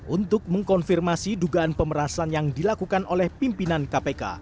untuk mengkonfirmasi dugaan pemerasan yang dilakukan oleh pimpinan kpk